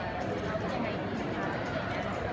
พี่แม่ที่เว้นได้รับความรู้สึกมากกว่า